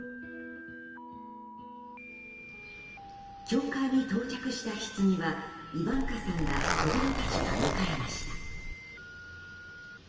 教会に到着したひつぎはイバンカさんら子供たちが迎えました。